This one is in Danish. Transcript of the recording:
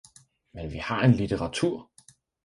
Men vi har en litteratur!